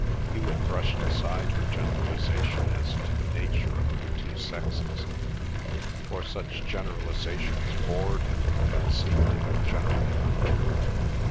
Hewet brushed aside her generalisation as to the natures of the two sexes, for such generalisations bored him and seemed to him generally untrue.